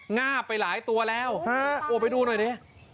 งาบไปหลายตัวแล้วโอ้ไปดูหน่อยดิ